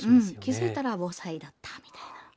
気付いたら防災だったみたいな。